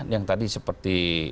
yang tadi seperti